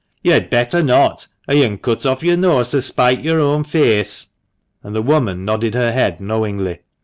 "Yo'd better not, or yo'n cut off yo'r nose to spite yo'r own feace;" and the woman nodded her head knowingly.